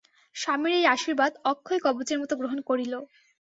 স্বামীর এই আশীর্বাদ অক্ষয়কবচের মতো গ্রহণ করিল।